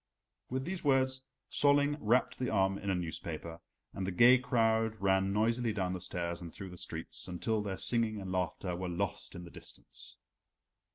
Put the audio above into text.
With these words Solling wrapped the arm in a newspaper, and the gay crowd ran noisily down the stairs and through the streets, until their singing and laughter were lost in the distance.